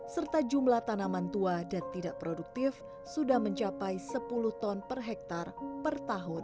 serta jumlah tanaman tua dan tidak produktif sudah mencapai sepuluh ton per hektare per tahun